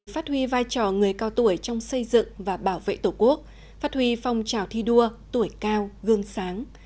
phát huy vai trò người cao tuổi trong xây dựng và bảo vệ tổ quốc phát huy phong trào thi đua tuổi cao gương sáng